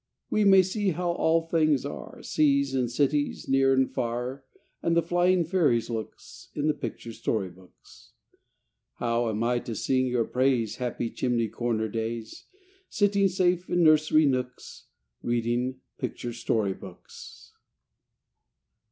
We may see how all things are, Seas and cities, near and far, And the flying fairies' looks, In the picture story books. How am I to sing your praise, Happy chimney corner days, Sitting safe in nursery nooks, Reading picture story books?